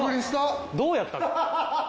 どうやったの？